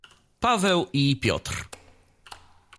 "Paweł i Piotr."